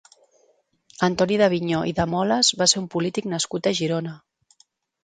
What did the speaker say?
Antoni d'Avinyó i de Moles va ser un polític nascut a Girona.